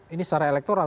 ini secara elektoral